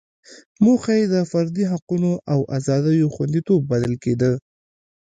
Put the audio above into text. موخه یې د فردي حقوقو او ازادیو خوندیتوب بلل کېده.